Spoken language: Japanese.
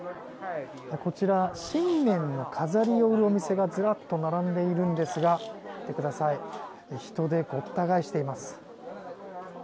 こちら、新年の飾りを売るお店がずらっと並んでいるんですが見てください人でごった返しています。